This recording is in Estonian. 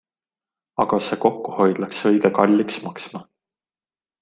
Aga see kokkuhoid läks õige kalliks maksma.